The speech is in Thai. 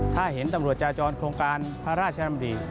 ถ้าเห็นตำรวจจาจรโครงการพระราชดำริ